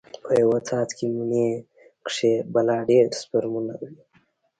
په يو څاڅکي مني کښې بلا ډېر سپرمونه وي.